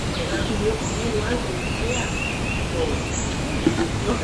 Esto nuevamente es debido a un malentendido fundamental.